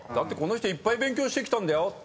この人いっぱい勉強してきたんだよ。